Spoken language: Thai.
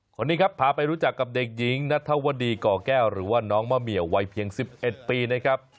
คนนี้ครับพาไปรู้จักกับเด็กหญิงนัทธวดีก่อแก้วหรือว่าน้องมะเหมียววัยเพียง๑๑ปีนะครับ